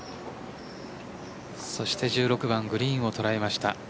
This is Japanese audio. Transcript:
そして１６番グリーンを捉えました。